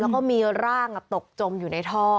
แล้วก็มีร่างตกจมอยู่ในท่อ